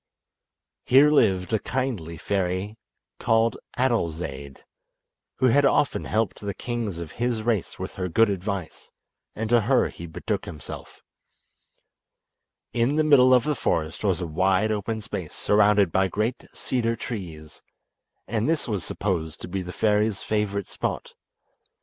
Here lived a kindly fairy called Adolzaide, who had often helped the kings of his race with her good advice, and to her he betook himself. In the middle of the forest was a wide open space surrounded by great cedar trees, and this was supposed to be the fairy's favourite spot.